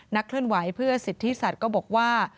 เคลื่อนไหวเพื่อสิทธิสัตว์ก็บอกว่า